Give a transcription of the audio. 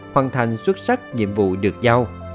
hoàn thành xuất sắc nhiệm vụ được giao